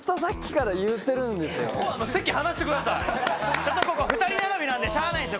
ちょっとここ２人並びなんでしゃあないんですよ。